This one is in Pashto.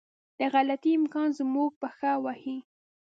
د غلطي امکان زموږ پښه وهي.